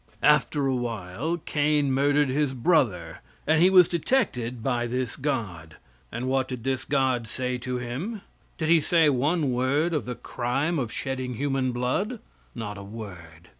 After a while Cain murdered his brother, and he was detected by this God. And what did this God say to him? Did He say one word of the crime of shedding human blood? Not a word.